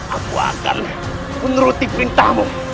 aku akan menuruti perintahmu